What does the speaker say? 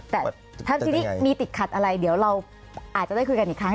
แต่ถ้าทีนี้มีติดขัดอะไรเดี๋ยวเราอาจจะได้คุยกันอีกครั้ง